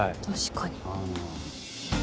確かに。